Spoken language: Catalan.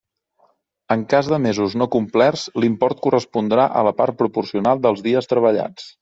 En cas de mesos no complerts l'import correspondrà a la part proporcional dels dies treballats.